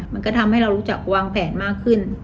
มันก็ทำให้เรารู้จักวางแผนมากขึ้น